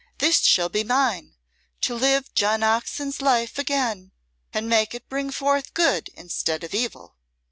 This shall be mine to live John Oxon's life again and make it bring forth good instead of evil."